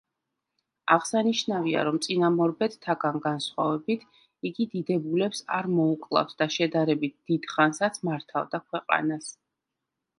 აღსანიშნავია, რომ წინამორბედთაგან განსხვავებით იგი დიდებულებს არ მოუკლავთ და შედარებით დიდ ხანსაც მართავდა ქვეყანას.